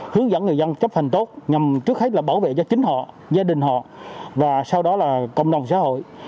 hướng dẫn người dân chấp hành tốt nhằm trước hết là bảo vệ cho chính họ gia đình họ và sau đó là cộng đồng xã hội